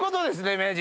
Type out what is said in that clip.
名人。